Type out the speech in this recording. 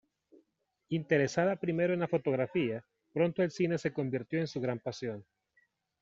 Interesada primero en la fotografía, pronto el cine se convirtió en su gran pasión.